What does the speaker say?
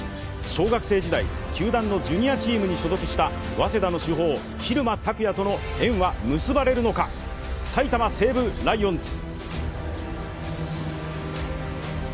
小学生時代、球団のジュニアチームに所属した早稲田の主砲・蛭間拓哉との縁は結ばれるのか埼玉西武ライオンズ。